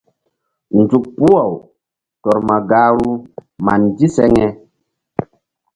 Nzuk puh-aw tɔr ma gahru ma ndiseŋe.